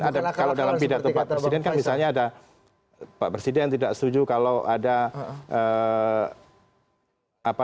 ada kalau dalam pidato pak presiden kan misalnya ada pak presiden tidak setuju kalau ada apa